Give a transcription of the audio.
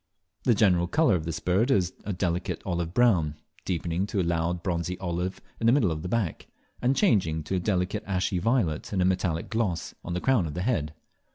The general colour of this bird is a delicate olive brown, deepening to a loud of bronzy olive in the middle of the back, and changing to a delicate ashy violet with a metallic gloss, on the crown of the head.